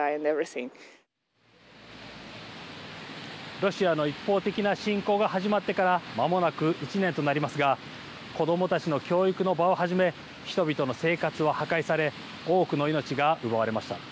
ロシアの一方的な侵攻が始まってからまもなく１年となりますが子どもたちの教育の場をはじめ人々の生活は破壊され多くの命が奪われました。